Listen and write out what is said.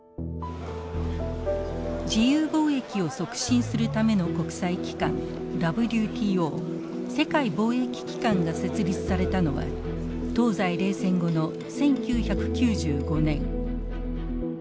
自由貿易を促進するための国際機関ＷＴＯ世界貿易機関が設立されたのは東西冷戦後の１９９５年。